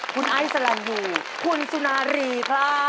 คุณไอซ์สลันยูคุณสุนารีครับ